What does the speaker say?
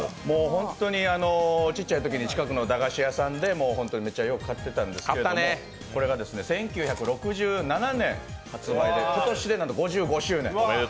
本当に小さいときに近くの駄菓子屋さんでめっちゃよく買ってたんですけどこれが１９６７年発売で今年で５５周年。